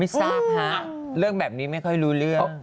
ทราบฮะเรื่องแบบนี้ไม่ค่อยรู้เรื่อง